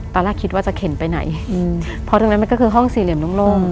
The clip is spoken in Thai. ตอนแรกคิดว่าจะเข็นไปไหนเพราะตรงนั้นมันก็คือห้องสี่เหลี่ยมโล่ง